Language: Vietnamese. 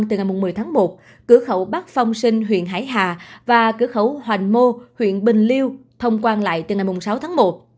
từ ngày một mươi tháng một cửa khẩu bắc phong sinh huyện hải hà và cửa khẩu hoành mô huyện bình liêu thông quan lại từ ngày sáu tháng một